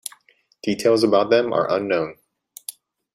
Details about them are unknown.